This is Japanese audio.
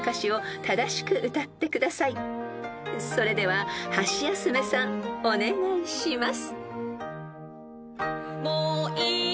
［それではハシヤスメさんお願いします］